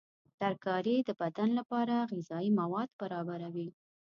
ترکاري د بدن لپاره غذایي مواد برابروي.